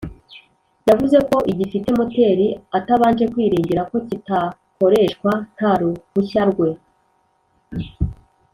Yavuze ko igifite moteri atabanje kwiringira ko kitakoreshwa nta ruhushya rwe